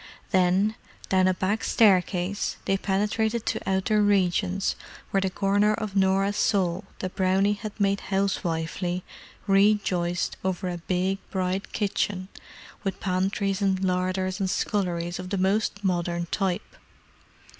Then, down a back staircase, they penetrated to outer regions where the corner of Norah's soul that Brownie had made housewifely rejoiced over a big, bright kitchen with pantries and larders and sculleries of the most modern type.